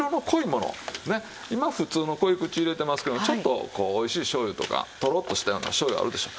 今普通の濃口入れてますけどちょっとこうおいしい醤油とかとろっとしたような醤油あるでしょう。